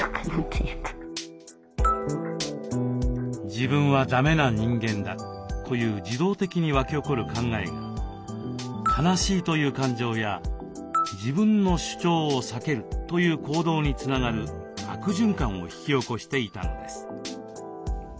「自分はダメな人間だ」という自動的に湧き起こる考えが「悲しい」という感情や「自分の主張を避ける」という行動につながる悪循環を引き起こしていたのです。